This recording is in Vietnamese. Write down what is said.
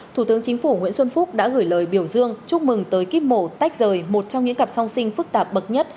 thủ tướng chính phủ nguyễn xuân phúc đã gửi lời biểu dương chúc mừng tới kiếp mổ tách rời một trong những cặp song sinh phức tạp bậc nhất